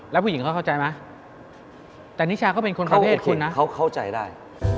แล้วผู้หญิงเขาเข้าใจไหมแต่นิชาเขาเป็นคนประเภทคุณนะเขาเข้าใจได้